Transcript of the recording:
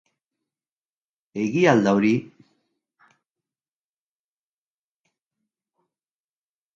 Egia al da hori?